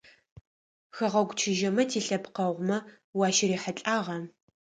Хэгъэгу чыжьэмэ тилъэпкъэгъумэ уащырихьылӏагъа?